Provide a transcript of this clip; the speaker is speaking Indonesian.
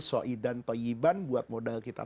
soidan toyiban buat modal kita